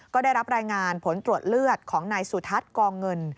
ก็ได้รับรายงานผลตรวจเลือดของนายสุทัศน์กองเงิน